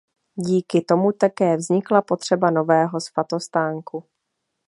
Díky tomu také vznikla potřeba nového svatostánku.